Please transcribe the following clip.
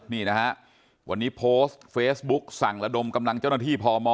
นี่นะฮะวันนี้โพสต์เฟซบุ๊กสั่งระดมกำลังเจ้าหน้าที่พม